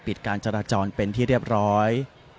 การจราจรเป็นที่เรียบร้อย